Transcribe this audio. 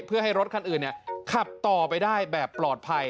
เพื่อให้รถคันอื่นขับต่อไปได้แบบปลอดภัย